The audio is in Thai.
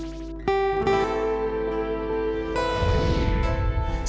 สนับสนุนโดยบริธานาคารกรุงเทพฯ